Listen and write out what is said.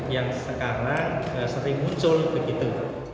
yang sekarang sering muncul begitu